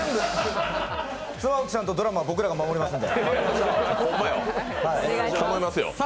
妻夫木さんとドラマは僕らが守りますんで。